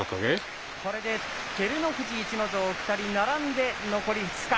これで照ノ富士、逸ノ城、２人並んで残り２日。